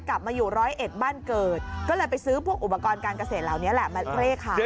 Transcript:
กลับมาอยู่ร้อยเอ็ดบ้านเกิดก็เลยไปซื้อพวกอุปกรณ์การเกษตรเหล่านี้แหละมาเร่ขาย